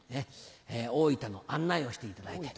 大分の案内をしていただいて。